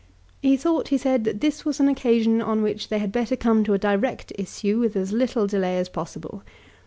He thought, he said, that this was an occasion on which they had better come to a direct issue with as little delay as possible.